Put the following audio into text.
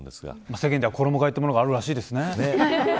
世間では衣替えというものがあるらしいですね。